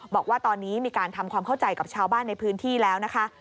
บอกว่าตอนนี้มีการทำความเข้าใจกับชาวบ้านในพื้นที่แล้วนะคะ